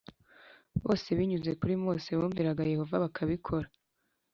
Byose binyuze kuri mose b bumviraga yehova bakabikora